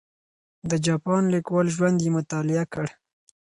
د جاپان کلیوالو ژوند یې مطالعه کړ.